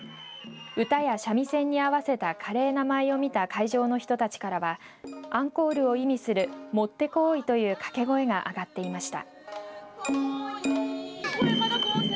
歌や三味線に合わせた華麗な舞を見た会場の人たちからはアンコールを意味するもってこーいという掛け声が上がっていました。